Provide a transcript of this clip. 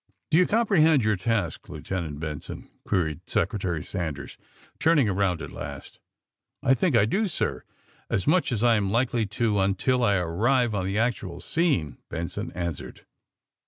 '' '^Do you comprehend your task, Lieutenant Benson!'' queried Secretary Sanders, turning around at last. *^I think I do, sir, as much as I am likely to until I arrive on the actual scene," Benson an swered.